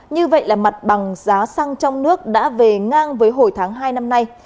như vậy là mặt bằng giá xăng trong nước đã về ngang với hồi tháng hai năm nay